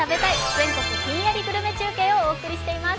全国ひんやりグルメ中継」をお送りしています。